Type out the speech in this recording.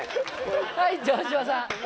はい城島さん。